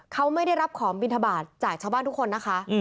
เขาไม่ได้รับของบินทบาทจากชาวบ้านทุกคนนะคะ